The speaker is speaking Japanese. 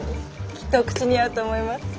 きっとお口に合うと思います。